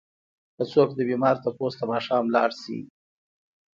که څوک د بيمار تپوس ته ماښام لاړ شي؛